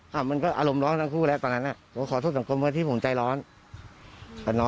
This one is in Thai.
ข้าก็อรมน์ร้อนทั้งคู่ตอนนั้น